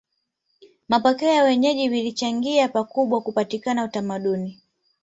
Mapokeo ya wenyeji vilichangia pakubwa kupatikana utamaduni